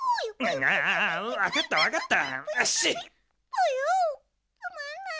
ポヨつまんない。